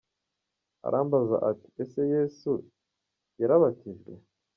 Arambaza ati : “Ese Yesu yarabatijwe ?